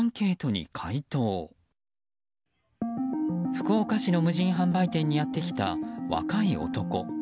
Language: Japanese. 福岡市の無人販売店にやってきた若い男。